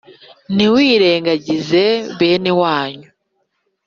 Ntiwirengagize bene wanyu.